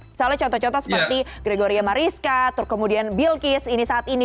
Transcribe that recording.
misalnya contoh contoh seperti gregoria mariska tur kemudian bill kiss ini saat ini